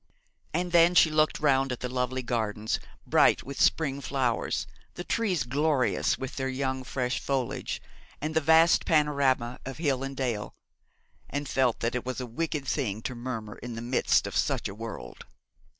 And then she looked round at the lovely gardens, bright with spring flowers, the trees glorious with their young, fresh foliage, and the vast panorama of hill and dale, and felt that it was a wicked thing to murmur in the midst of such a world.